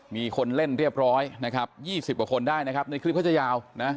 มีคนเล่นเรียบร้อยนะครับ๒๐กว่าคนได้นะครับในคลิปเขาจะยาวนะ